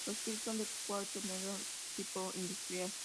Los pisos son de caucho negro tipo industrial.